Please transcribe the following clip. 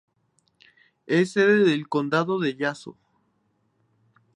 Es sede del condado de Yazoo.